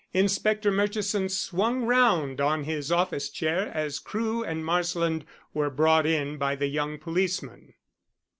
Inspector Murchison swung round on his office chair as Crewe and Marsland were brought in by the young policeman.